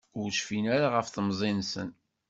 Ur cfin ara ɣef temẓi-nsen.